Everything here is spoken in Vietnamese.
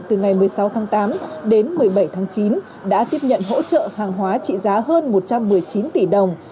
từ ngày một mươi sáu tháng tám đến một mươi bảy tháng chín đã tiếp nhận hỗ trợ hàng hóa trị giá hơn một trăm một mươi chín tỷ đồng